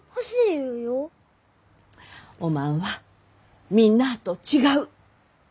おまんはみんなあと違う。